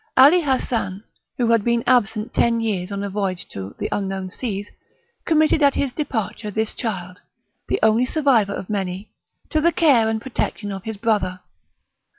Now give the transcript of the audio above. Ali Hassan, who had been absent ten years on a voyage to the unknown seas, committed at his departure this child, the only survivor of many, to the care and protection of his brother.